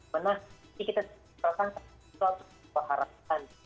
menafi kita terpaksa sesuatu yang allah haramkan